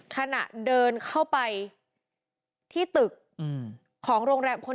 ขณะเดินเข้าไปที่ตึกของโรงแรมคน